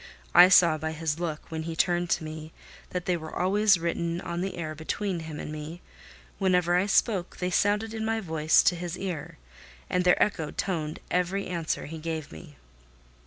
I saw by his look, when he turned to me, that they were always written on the air between me and him; whenever I spoke, they sounded in my voice to his ear, and their echo toned every answer he gave me.